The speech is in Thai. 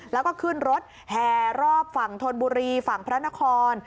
แล้วก็ขึ้นรถแห่รอบฝั่งธนบุรีฝั่งพระนคร